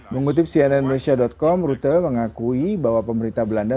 mengutip cnnn malaysia com rutte mengakui bahwa pemerintah belanda